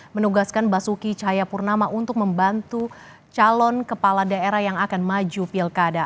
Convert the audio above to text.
menugaskan basuki cahayapurnama untuk membantu calon kepala daerah yang akan maju pilkada